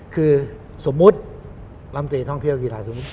คือสมมุติลำตีท่องเที่ยวกีฬาสมมุติ